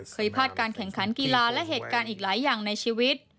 เคยพลาดการแข่งขันกีฬาและเหตุการณ์อีกหลายอย่างในชีวิต